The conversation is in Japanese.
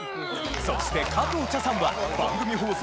そして加藤茶さんは番組放送